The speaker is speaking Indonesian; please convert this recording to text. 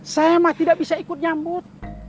saya mah tidak bisa ikut nyambut